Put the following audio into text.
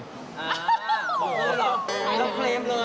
เราเคลมเลย